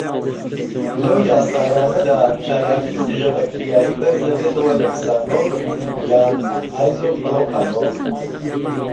لەو یاسایانەدا، چالاکی دژەبەکتریایی بەرزدەبێتەوە لە ئیثانۆڵ یان ئایزۆپڕۆپانۆڵ.